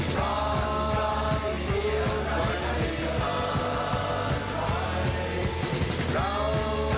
ราวที่เจอความที่มองใจ